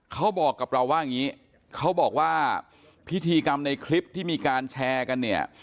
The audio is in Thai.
เขาบอกกับเราว่าพิธีกรรมในคลิปที่มีการแชร์กัน